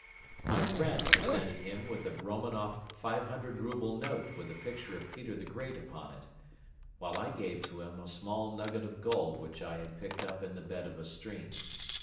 My friend presented him with a Romanoff five hundred rouble note with a picture of Peter the Great upon it, while I gave to him a small nugget of gold which I had picked up in the bed of a stream.